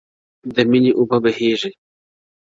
د ميني اوبه وبهېږي,